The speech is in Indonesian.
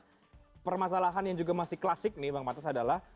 karena permasalahan yang juga masih klasik nih bang pantas adalah